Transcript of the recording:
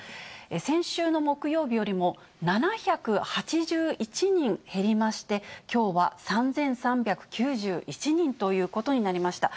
先週の木曜日よりも７８１人減りまして、きょうは３３９１人ということになりました。